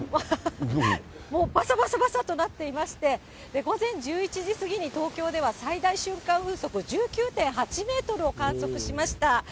もうばさばさばさとなっていまして、午前１１時過ぎに東京では最大瞬間風速１９．８メートルを観測しました。